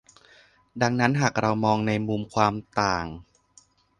ดังนั้นหากเรามองในมุมความต่าง